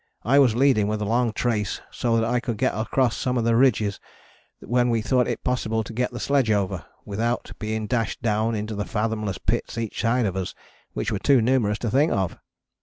I was leading with a long trace so that I could get across some of the ridges when we thought it possible to get the sledge over without being dashed down into the fathomless pits each side of us which were too numerous to think of.